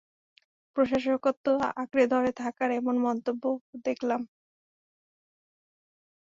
প্রশাসকত্ব আকড়ে ধরে থাকা এমন মন্তব্যও দেখলাম।